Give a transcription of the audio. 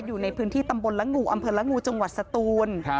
อยู่ในพื้นที่ตำบลละงูอำเภอละงูจังหวัดสตูน